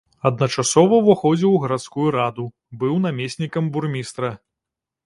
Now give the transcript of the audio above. Адначасова ўваходзіў у гарадскую раду, быў намеснікам бурмістра.